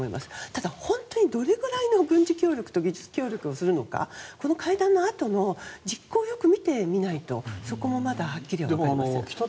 ただ本当にどれぐらいの軍事協力と技術協力をするのかこの会談のあとの実効をよく見てみないとそこもまだはっきり分かりません。